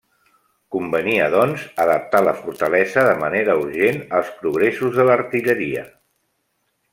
Convenia, doncs, adaptar la fortalesa de manera urgent als progressos de l'artilleria.